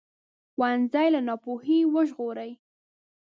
ښوونځی له ناپوهۍ وژغوري